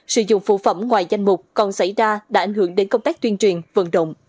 sử dụng phụ phẩm ngoài danh mục còn xảy ra đã ảnh hưởng đến công tác tuyên truyền vận động